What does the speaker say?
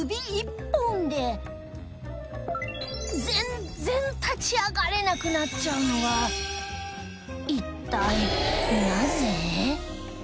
全然立ち上がれなくなっちゃうのは一体なぜ？